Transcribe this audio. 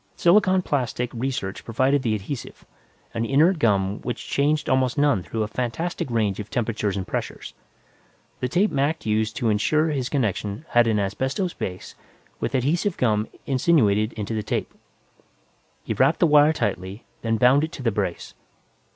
Silicon plastic research provided the adhesive, an inert gum which changed almost none through a fantastic range of temperatures and pressures. The tape Mac used to insure his connection had an asbestos base, with adhesive gum insinuated into the tape. He wrapped the wire tightly, then bound it to the brace.